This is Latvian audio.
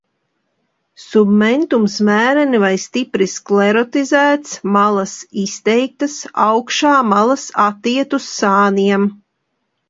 Submentums mēreni vai stipri sklerotizēts, malas izteiktas, augšā malas atiet uz sāniem.